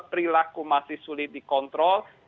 perilaku masih sulit dikontrol